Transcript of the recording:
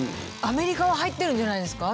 アメリカは入ってるんじゃないですか？